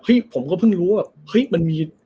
เฮ้ยผมก็เพิ่งรู้ว่าแบบ